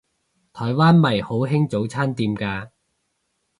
台灣咪好興早餐店嘅